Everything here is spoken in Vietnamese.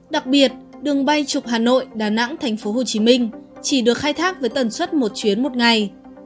đặc biệt đường bay trục hà nội đà nẵng tp hcm chỉ được khai thác với tần suất một chuyến một ngày